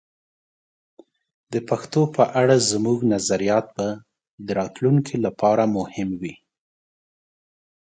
د پښتو په اړه زموږ نظریات به د راتلونکي لپاره مهم وي.